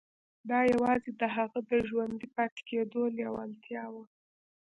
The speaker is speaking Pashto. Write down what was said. دا يوازې د هغه د ژوندي پاتې کېدو لېوالتیا وه.